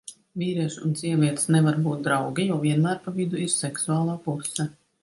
Vīrieši un sievietes nevar būt draugi, jo vienmēr pa vidu ir seksuālā puse.